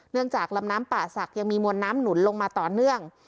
จากลำน้ำป่าศักดิ์ยังมีมวลน้ำหนุนลงมาต่อเนื่อง